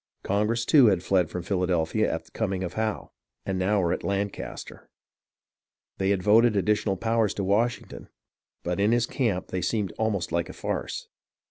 Congress, too, had fied from Philadelphia at the coming of Howe, and now were at Lancaster. They had voted additional powers to Washington, but in his camp they seemed almost like a farce.